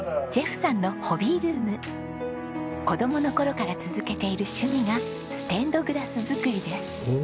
子供の頃から続けている趣味がステンドグラス作りです。